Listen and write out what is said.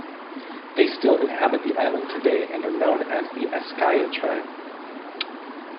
They still inhabit the island today and are known as the Eskaya tribe.